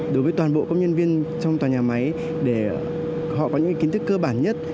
đối với toàn bộ công nhân viên trong tòa nhà máy để họ có những kiến thức cơ bản nhất